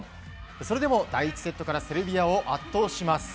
それでも第１セットからセルビアを圧倒します。